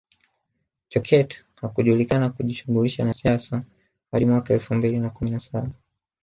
Jokate hakujulikana kujishughulisha na siasa hadi mwaka elfu mbili na kumi na saba